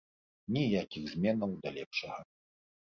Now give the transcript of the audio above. Ніякіх зменаў да лепшага.